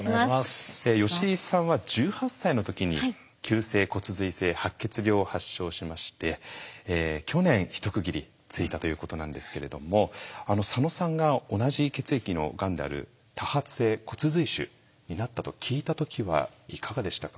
吉井さんは１８歳の時に急性骨髄性白血病を発症しまして去年一区切りついたということなんですけれども佐野さんが同じ血液のがんである多発性骨髄腫になったと聞いた時はいかがでしたか？